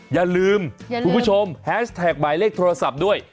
อย่าลืมคุณผู้ชมแฮชแท็กหมายเลขโทรศัพท์ด้วย